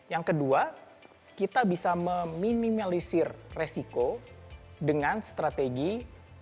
yang kedua kita bisa meminimalisir resiko dengan strategi